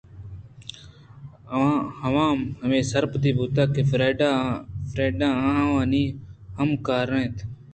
آوان ہمے سرپدی بوت کہ فریڈا آوانی ہمکاراِنت